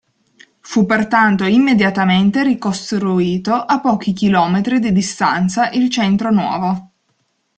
Fu pertanto immediatamente ricostruito a pochi km di distanza il centro nuovo.